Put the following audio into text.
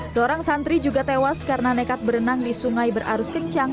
seorang santri juga tewas karena nekat berenang di sungai berarus kencang